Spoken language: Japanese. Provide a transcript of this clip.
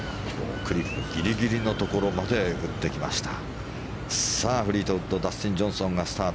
クリークギリギリのところまで打ってきました。